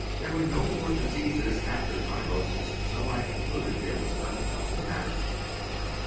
There were no more diseases after zymosis, so I concluded there was nothing else the matter with me.